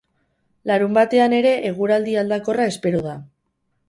Larunbatean ere eguraldi aldakorra espero da.